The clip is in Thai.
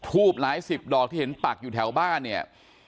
ทูบหลายสิบดอกที่เห็นปักอยู่แถวบ้านเนี่ย